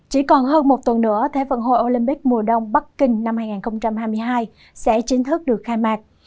khoảng hơn một tuần nữa thế vận hội olympic mùa đông bắc kinh hai nghìn hai mươi hai sẽ chính thức được khai mạc